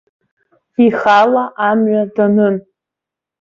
Ихала амҩа данын.